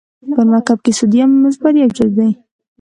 په مرکب کې سودیم مثبت یو چارج دی.